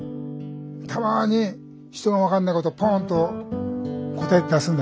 たまに人が分かんないことをぽんと答えて出すんだ